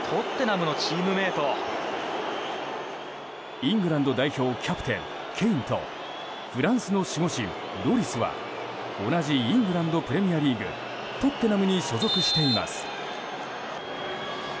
イングランド代表キャプテンケインとフランスの守護神ロリスは同じイングランドプレミアリーグトッテナムに所属しています。